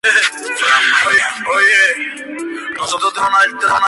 Tallos erectos ramificados en la base.